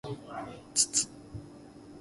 つつ